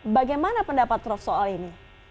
bagaimana pendapat prof soal ini